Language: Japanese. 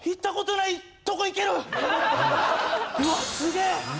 うわっすげえ！